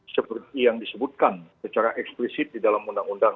seperti yang disebutkan secara eksplisit di dalam undang undang